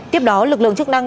tiếp đó lực lượng chức năng